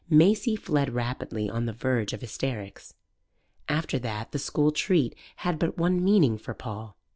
Maisie fled rapidly on the verge of hysterics, After that the school treat had but one meaning for Paul.